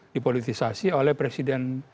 dipolitisasi oleh presiden